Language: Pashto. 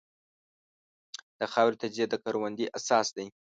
د خاورې تجزیه د کروندې اساس دی.